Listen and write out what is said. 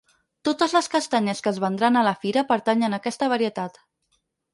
Totes les castanyes que es vendran a la fira pertanyen a aquesta varietat.